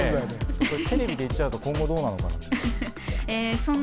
テレビで言っちゃうと今後どうなのかな？